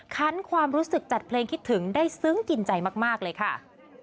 คันความรู้สึกจัดเพลงคิดถึงได้ซึ้งกินใจมากเลยค่ะ